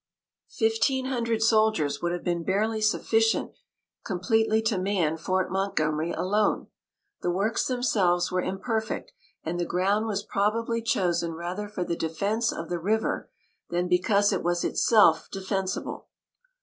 Fifteen hundred soldiers would have been barely sufficient completely to man Fort Montgomery alone. The works themselves were imperfect, and the ground was probably chosen rather for the defence of the river, than because it was itself defensible.